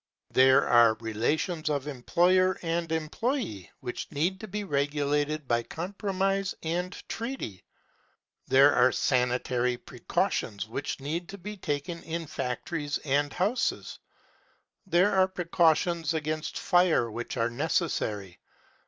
There are relations of employer and employ├® which need to be regulated by compromise and treaty. There are sanitary precautions which need to be taken in factories and houses. There are precautions against fire which are necessary.